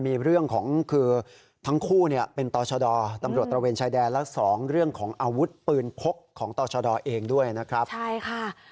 ไม่มีแต่มีรักษาของความเครียด